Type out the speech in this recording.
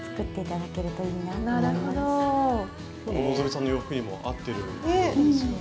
きょうの希さんの洋服にも合ってるようですよね。